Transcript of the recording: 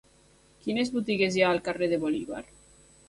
Quines botigues hi ha al carrer de Bolívar?